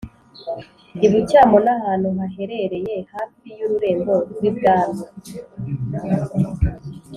Ibucyamo nahantu haherereye hafi y’ururembo rwi bwami.